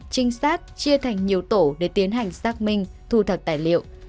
trinh sát chia thành nhiều tổ để tiến hành xác minh thu thập tài liệu